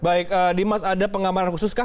baik dimas ada pengamanan khusus kah